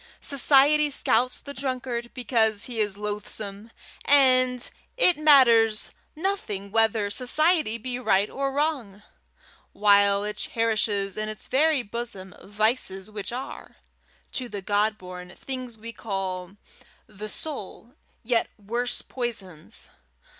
Society scouts the drunkard because he is loathsome, and it matters nothing whether society be right or wrong, while it cherishes in its very bosom vices which are, to the God born thing we call the soul, yet worse poisons.